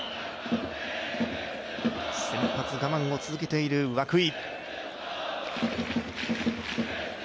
先発、我慢を続けている涌井。